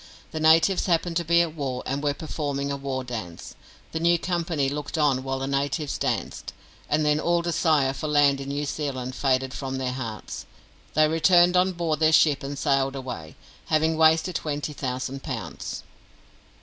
The natives happened to be at war, and were performing a war dance. The new company looked on while the natives danced, and then all desire for land in New Zealand faded from their hearts. They returned on board their ship and sailed away, having wasted twenty thousand pounds.